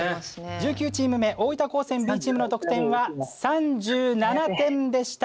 １９チーム目大分高専Ｂチームの得点は３７点でした！